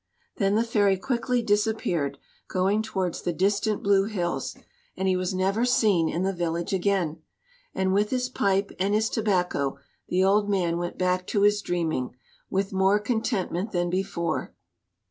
Then the fairy quickly disappeared, going towards the distant blue hills, and he was never seen in the village again. And with his pipe and his tobacco the old man went back to his dreaming, with more contentment than before.